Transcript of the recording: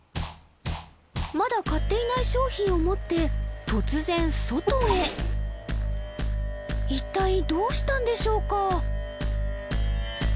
まだ買っていない商品を持って突然外へ一体どうしたんでしょうか？